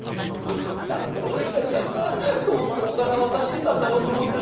なんで私たちはさ豆腐とおから渡してたんだろうと思ってさ。